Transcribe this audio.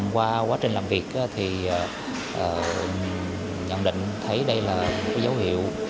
qua quá trình làm việc thì nhận định thấy đây là một dấu hiệu